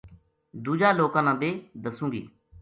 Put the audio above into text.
دُوجا لوکاں نا بے دسوں گی